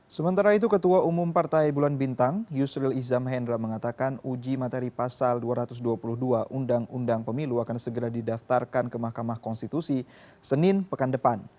sementara itu ketua umum partai bulan bintang yusril izam hendra mengatakan uji materi pasal dua ratus dua puluh dua undang undang pemilu akan segera didaftarkan ke mahkamah konstitusi senin pekan depan